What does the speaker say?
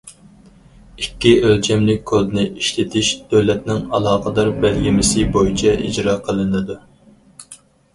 ئىككى ئۆلچەملىك كودنى ئىشلىتىش دۆلەتنىڭ ئالاقىدار بەلگىلىمىسى بويىچە ئىجرا قىلىنىدۇ.